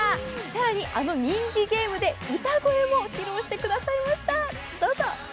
更に、あの人気ゲームで歌声も披露してくださいました。